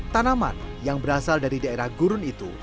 tanaman yang berasal dari daerah gurun itu